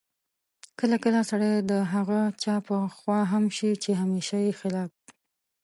کله کله سړی د هغه چا په خوا هم شي چې همېشه یې خلاف